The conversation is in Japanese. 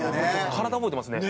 体覚えてますね。